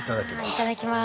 いただきます。